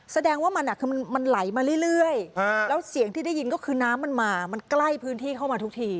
แสดงว่ามันคือมันไหลมาเรื่อยแล้วเสียงที่ได้ยินก็คือน้ำมันมามันใกล้พื้นที่เข้ามาทุกที